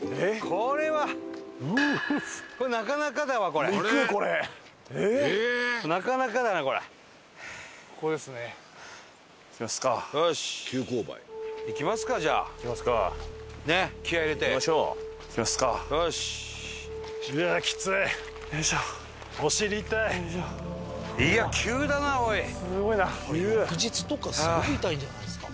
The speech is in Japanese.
「これ翌日とかすごく痛いんじゃないですか？」